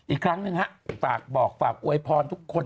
อีกครั้งหนึ่งฮะฝากบอกฝากอวยพรทุกคน